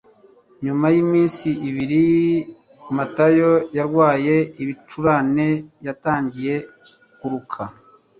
nyuma y'iminsi ibiri, dr matayo yarwaye ibicurane. yatangiye kuruka